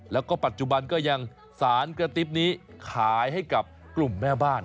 แล้วก็ปัจจุบันก็ยังสารกระติ๊บนี้ขายให้กับกลุ่มแม่บ้าน